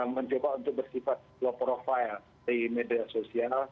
mencoba untuk bersifat low profile di media sosial